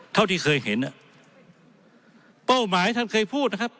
เท่าที่เคยเห็นอ่ะเป้าหมายท่านเคยพูดนะครับ